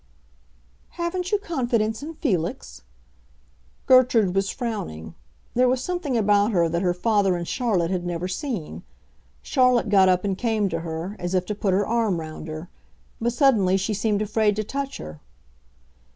"Haven't you confidence in Felix?" Gertrude was frowning; there was something about her that her father and Charlotte had never seen. Charlotte got up and came to her, as if to put her arm round her; but suddenly, she seemed afraid to touch her.